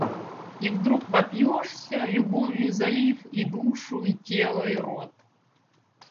И вдруг вопьешься, любовью залив и душу, и тело, и рот.